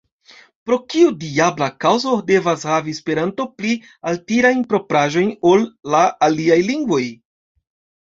Pro kiu diabla kaŭzo devas havi Esperanto pli altirajn propraĵojn ol la aliaj lingvoj?